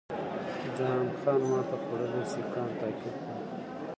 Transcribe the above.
جهان خان ماته خوړلي سیکهان تعقیب کړل.